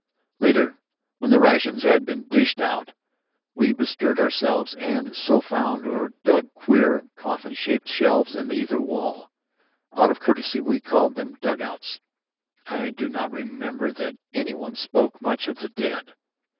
Later, when the rations had been "dished out" we bestirred ourselves and so found or dug queer coffin shaped shelves in either wall. Out of courtesy we called them dug outs. I do not remember that any one spoke much of the dead.